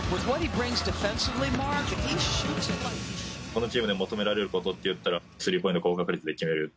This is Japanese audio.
このチームで求められることと言ったらスリーポイント高確率で決める。